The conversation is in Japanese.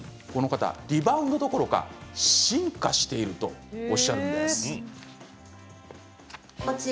リバウンドどころか進化しているとおっしゃるんです。